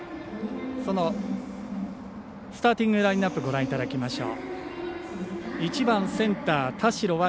スターティングラインアップご覧いただきましょう。